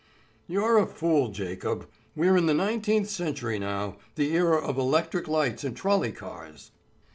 "You're a fool, Jacob; we're in the nineteenth century now, the era of electric lights and trolley cars."